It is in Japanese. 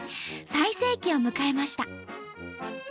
最盛期を迎えました。